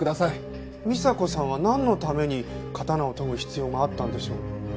美沙子さんはなんのために刀を研ぐ必要があったんでしょう？